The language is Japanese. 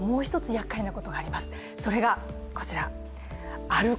やっかいなことがあります。